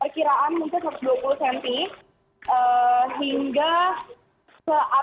kiraan mungkin satu ratus dua puluh cm hingga ke atas dada hingga pukul enam pagi ini